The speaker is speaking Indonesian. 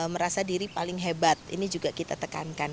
merasa diri paling hebat ini juga kita tekankan